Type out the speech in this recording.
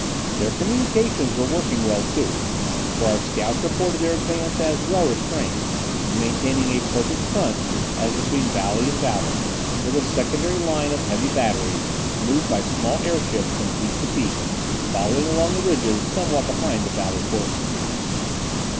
Their communications were working well too, for our scouts reported their advance as well restrained, and maintaining a perfect front as between valley and valley, with a secondary line of heavy batteries, moved by small airships from peak to peak, following along the ridges somewhat behind the valley forces.